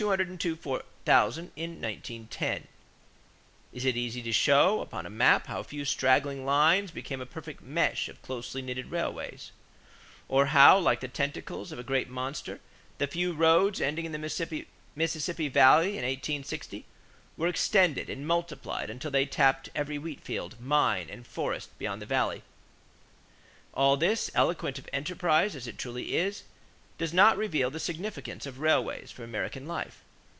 It is easy to show upon the map how a few straggling lines became a perfect mesh of closely knitted railways; or how, like the tentacles of a great monster, the few roads ending in the Mississippi Valley in 1860 were extended and multiplied until they tapped every wheat field, mine, and forest beyond the valley. All this, eloquent of enterprise as it truly is, does not reveal the significance of railways for American life.